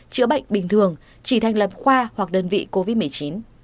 chữa bệnh bình thường chỉ thành lập khoa hoặc đơn vị covid một mươi chín